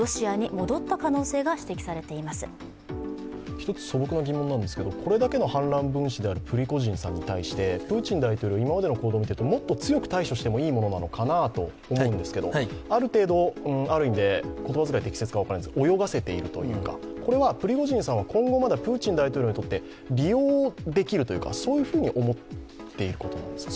１つ素朴な疑問なんですけれどもこれだけの反乱分子であるプリゴジン氏に対してプーチン大統領、今までの行動を見ていて、もっと強く対処してもいいものなかなと思うんですがある程度、ある意味で言葉遣い適切か分からないですが、泳がせているというかこれはプリゴジンさんは今後まだプーチン大統領にとって利用できるというか、そういうふうに思っているということなんですか？